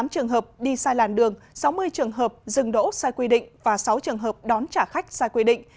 tám trường hợp đi sai làn đường sáu mươi trường hợp dừng đỗ sai quy định và sáu trường hợp đón trả khách sai quy định